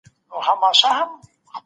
دغه کوچنی په پوهني کي ډېره لېوالتیا لری.